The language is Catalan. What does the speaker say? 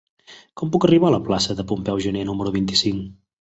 Com puc arribar a la plaça de Pompeu Gener número vint-i-cinc?